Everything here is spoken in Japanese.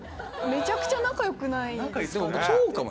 めちゃくちゃ仲良くないですか？